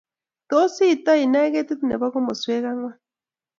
Tos iititoi née ketit nebo komoswek angwan